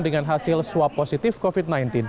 dengan hasil swab positif covid sembilan belas